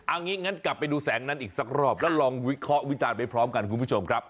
เอางี้งั้นกลับไปดูแสงนั้นอีกสักรอบแล้วลองวิเคราะห์วิจารณ์ไปพร้อมกันคุณผู้ชมครับ